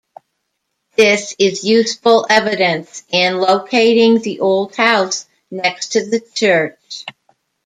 This is useful evidence in locating the old house next to the church.